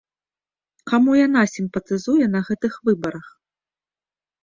Каму яна сімпатызуе на гэтых выбарах?